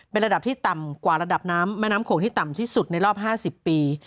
เป็นระดับที่ต่ำกว่าระดับน้ำแม่น้ำโขงที่ต่ำที่สุดในรอบ๕๐ปี